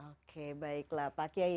oke baiklah pak kiai